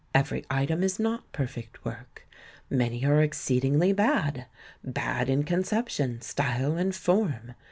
Every item is not perfect work. Many are exceedingly bad — bad in conception, style INTRODUCTION xiii and form.